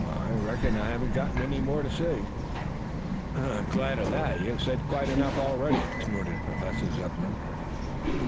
I reckon I haven't got anything more to say." "I am glad of it. You have said quite enough already," snorted Professor Zepplin.